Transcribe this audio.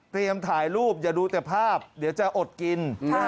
ถ่ายรูปอย่าดูแต่ภาพเดี๋ยวจะอดกิน